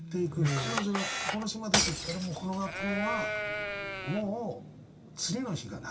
彼女がこの島出てったらもうこの学校はもう次の日がなくなる。